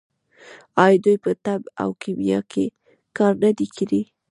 آیا دوی په طب او کیمیا کې کار نه دی کړی؟